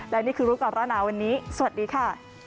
และนี่คือรูปกราบต้อนรับวันนี้สวัสดีค่ะ